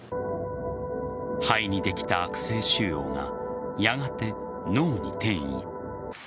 肺にできた悪性腫瘍がやがて脳に転移。